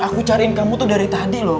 aku cariin kamu tuh dari tadi loh